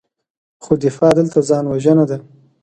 خو دفاع دلته ځان وژنه ده.